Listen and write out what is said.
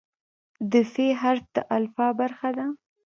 د "ف" حرف د الفبا برخه ده.